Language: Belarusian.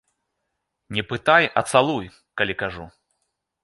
Не пытай, а цалуй, калі кажу!